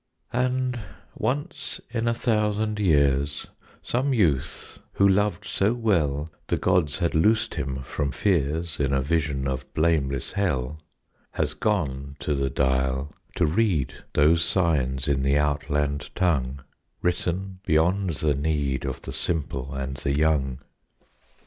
And once in a thousand years Some youth who loved so well The gods had loosed him from fears In a vision of blameless hell, Has gone to the dial to read Those signs in the outland tongue, Written beyond the need Of the simple and the young.